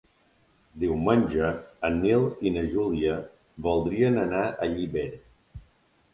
Diumenge en Nil i na Júlia voldrien anar a Llíber.